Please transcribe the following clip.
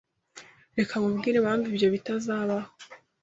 Reka nkubwire impamvu ibyo bitazabaho.